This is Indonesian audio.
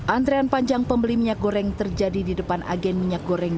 antrean panjang pembeli minyak goreng terjadi di depan agen minyak goreng